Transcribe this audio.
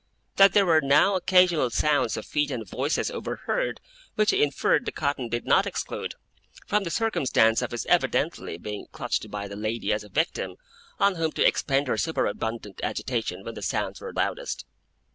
That there were now occasional sounds of feet and voices overhead which he inferred the cotton did not exclude, from the circumstance of his evidently being clutched by the lady as a victim on whom to expend her superabundant agitation when the sounds were loudest.